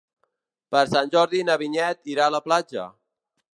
Per Sant Jordi na Vinyet irà a la platja.